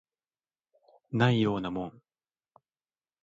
ないようなもん